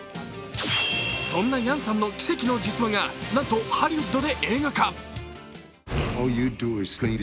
そんなヤンさんの奇跡の実話がなんとハリウッドで映画化。